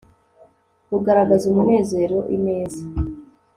Kugaragaza umunezero ineza